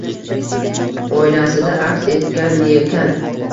Oynasida aks etgan yelkan